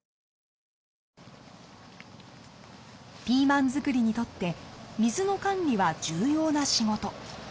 ピーマン作りにとって水の管理は重要な仕事。